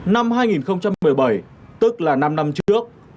năm hai nghìn một mươi bảy tức là năm năm trước